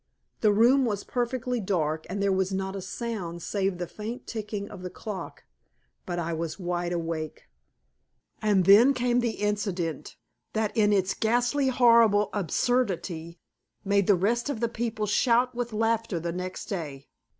The room was perfectly dark, and there was not a sound save the faint ticking of the clock, but I was wide awake. And then came the incident that in its ghastly, horrible absurdity made the rest of the people shout with laughter the next day.